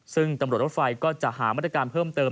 ซึ่งตำรวจรถไฟก็จะหามาตรการเพิ่มเติม